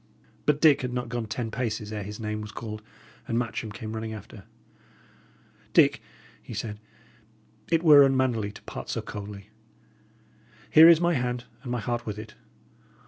But Dick had not gone ten paces ere his name was called, and Matcham came running after. "Dick," he said, "it were unmannerly to part so coldly. Here is my hand, and my heart with it.